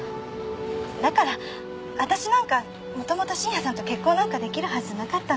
だから私なんかもともと信也さんと結婚なんかできるはずなかったんです。